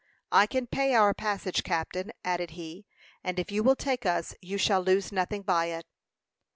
"I can pay our passage, captain," added he; "and if you will take us you shall lose nothing by it."